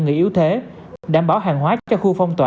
người yếu thế đảm bảo hàng hóa cho khu phong tỏa